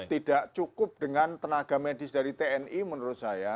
tidak cukup dengan tenaga medis dari tni menurut saya